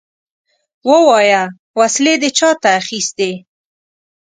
ووايه! وسلې دې چاته اخيستې؟